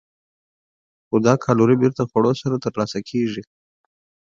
خو دا کالوري بېرته خوړو سره ترلاسه کېږي.